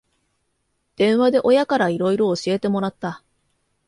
電話で親からいろいろ教えてもらった